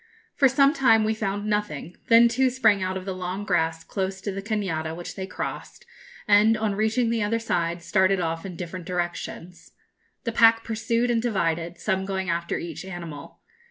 For some time we found nothing; then two sprang out of the long grass close to the cañada, which they crossed, and, on reaching the other side, started off in different directions. The pack pursued and divided, some going after each animal.